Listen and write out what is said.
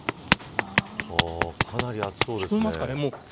かなり厚そうですね。